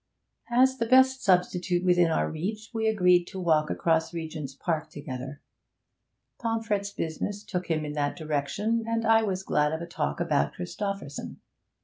As the best substitute within our reach we agreed to walk across Regent's Park together. Pomfret's business took him in that direction, and I was glad of a talk about Christopherson.